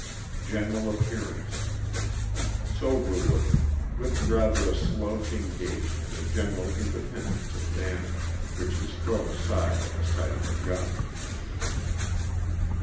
General appearance. — Sober looking, with rather a slouching gait and a general independence of manner, which is thrown aside at the sight of a gun.